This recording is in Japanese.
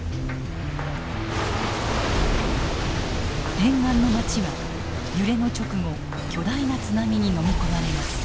沿岸の町は揺れの直後巨大な津波にのみ込まれます。